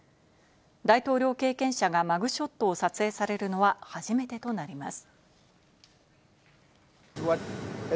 大統領経験者がマグショットを撮影されるのは初めてとなります。